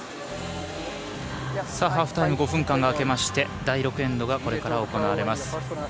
ハーフタイム５分間が明けまして第６エンドがこれから行われます。